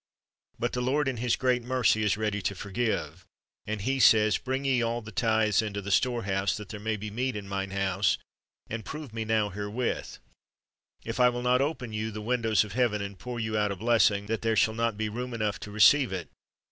But the Lord in His great mercy is ready to forgive, and He says, "Bring ye all the tithes into the storehouse, IJohn 15:7 '^i Joliii 2:3 5 sjoi,,, 13:34 ^Mal. 3:7, 8 Asking to Give 145 that there may be meat in Mine house, and prove Me now herewith, ... if I will not open you the windows of heaven, and pour you out a blessing, that there shall not be room enough to receive it.